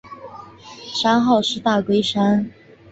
山号是大龟山。